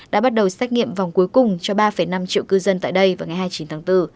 đã bắt đầu xét nghiệm vòng cuối cùng cho ba năm triệu cư dân tại đây vào ngày hai mươi chín tháng bốn